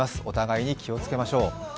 お互いに気をつけましょう。